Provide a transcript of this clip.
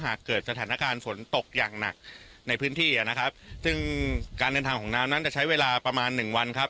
หากเกิดสถานการณ์ฝนตกอย่างหนักในพื้นที่อ่ะนะครับซึ่งการเดินทางของน้ำนั้นจะใช้เวลาประมาณหนึ่งวันครับ